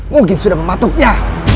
mungkin sudah mematuknya